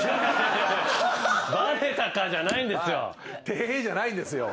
「テヘヘ」じゃないんですよ。